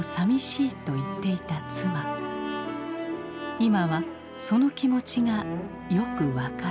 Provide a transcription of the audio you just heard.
今はその気持ちがよく分かる。